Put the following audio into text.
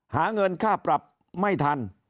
หาเงินค่าปรับไม่ทัน